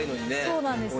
そうなんですよ。